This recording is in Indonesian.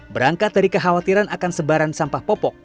berangkat dari kekhawatiran akan sebaran sampah popok